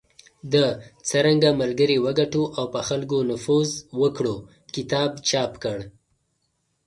د"څرنګه ملګري وګټو او په خلکو نفوذ وکړو" کتاب چاپ کړ .